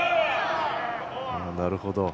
なるほど。